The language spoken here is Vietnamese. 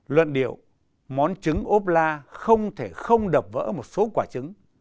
luận điệu món trứng ốp la không thể không đập vỡ một số quả trứng